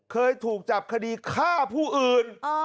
เคยถูกจับคดีฆ่าผู้อื่น